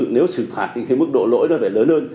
nếu xử phạt thì cái mức độ lỗi nó phải lớn hơn